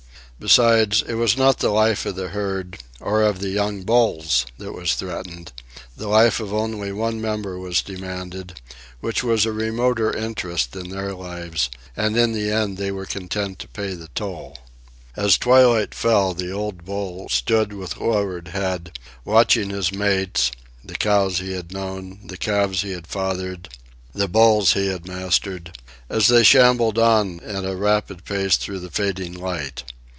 Besides, it was not the life of the herd, or of the young bulls, that was threatened. The life of only one member was demanded, which was a remoter interest than their lives, and in the end they were content to pay the toll. As twilight fell the old bull stood with lowered head, watching his mates—the cows he had known, the calves he had fathered, the bulls he had mastered—as they shambled on at a rapid pace through the fading light.